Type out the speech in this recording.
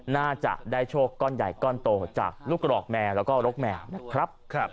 น่าจะได้โชคก้อนใหญ่ก้อนโตจากลูกกรอกแมวแล้วก็รกแมวนะครับ